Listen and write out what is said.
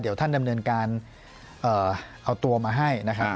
เดี๋ยวท่านดำเนินการเอาตัวมาให้นะครับ